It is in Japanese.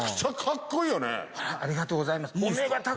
あらありがとうございます。